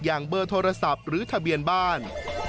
เบอร์โทรศัพท์หรือทะเบียนบ้าน